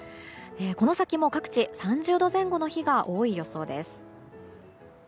この先も各地３０度前後の日が多い予想です。